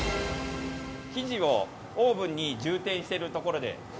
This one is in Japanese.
◆生地をオーブンに充填しているところで。